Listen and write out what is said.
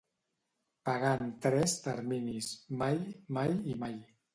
Pagar en tres terminis: mai, mai i mai.